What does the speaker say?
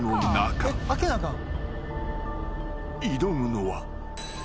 ［挑むのは］